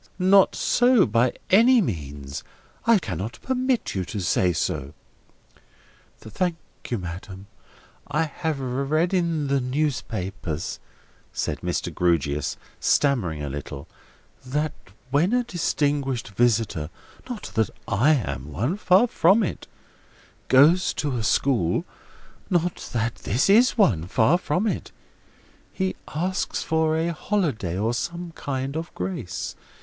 Not so, by any means. I cannot permit you to say so." "Thank you, madam. I have read in the newspapers," said Mr. Grewgious, stammering a little, "that when a distinguished visitor (not that I am one: far from it) goes to a school (not that this is one: far from it), he asks for a holiday, or some sort of grace.